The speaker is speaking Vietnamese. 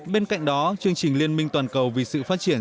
bên cạnh đó chương trình liên minh toàn cầu vì sự phát triển